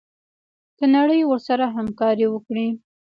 که نړۍ ورسره همکاري وکړي.